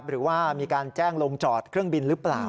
หรือว่ามีการแจ้งลงจอดเครื่องบินหรือเปล่า